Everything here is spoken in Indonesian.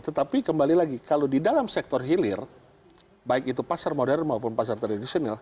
tetapi kembali lagi kalau di dalam sektor hilir baik itu pasar modern maupun pasar tradisional